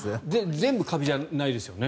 全部カビじゃないですよね。